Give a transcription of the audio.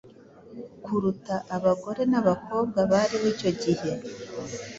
kuruta abagore n'abakobwa bariho icyo gihe;